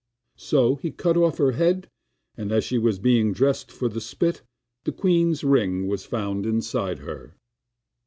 So he cut off her head, and as she was being dressed for the spit, the queen's ring was found inside her.